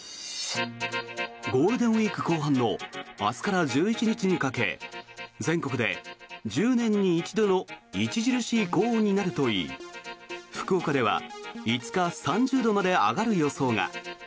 ゴールデンウィーク後半の明日から１１日にかけ全国で１０年に一度の著しい高温になるといい福岡では５日３０度まで上がる予想が。